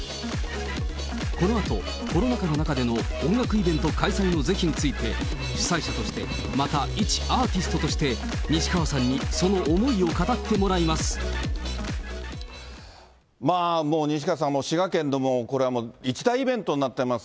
このあと、コロナ禍の中での音楽イベント開催の是非について、主催者として、またいちアーティストとして、西川さんにその思いを語ってもらいもう西川さんも、滋賀県で一大イベントになっています